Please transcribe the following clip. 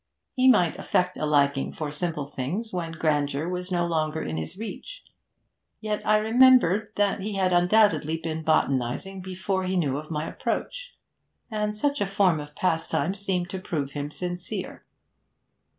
He might affect a liking for simple things when grandeur was no longer in his reach. Yet I remembered that he had undoubtedly been botanising before he knew of my approach, and such a form of pastime seemed to prove him sincere.